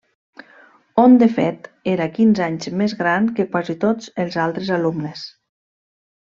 On de fet era quinze anys més gran que quasi tots els altres alumnes.